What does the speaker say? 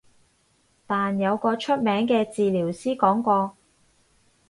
但有個出名嘅治療師講過